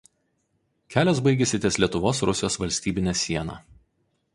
Kelias baigiasi ties Lietuvos–Rusijos valstybine siena.